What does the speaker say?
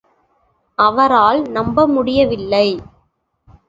அவரால் நம்ப முடியவில்லை.